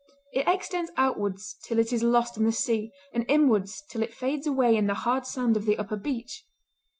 It extends outwards till it is lost in the sea, and inwards till it fades away in the hard sand of the upper beach.